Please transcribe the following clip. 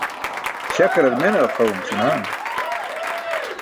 Śakrar mene ġaqaẏum senaan.